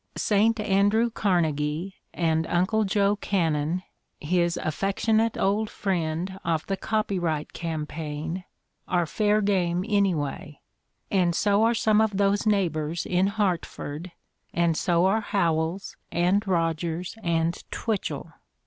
Saint Andrew Carnegie arid Uncle Joe Cannon, his "affec tionate old friend" of the copyright campaign, are fair game anyway, and so are some of those neighbors in Hartford, and so are Howells and Eogers and Twitehell.